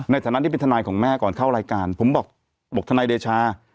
ในชะนัดที่เป็นทนัยของแม่ก็เข้ารายการผมบอกทนัยเดชา